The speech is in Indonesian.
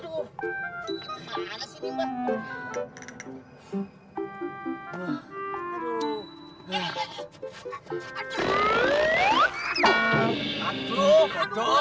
rda entah dio